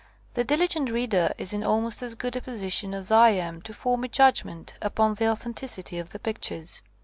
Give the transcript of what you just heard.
The diligent reader is in almost as good a position as I am to form a judgment upon the authenticity of the pictures.